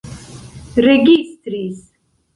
registris